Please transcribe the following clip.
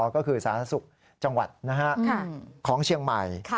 ก็คือสาธารณสุขจังหวัดของเชียงใหม่